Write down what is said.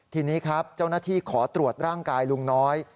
ทีนี้ครับเจ้าหน้าที่ขอตรวจร่างกายลุงน้อย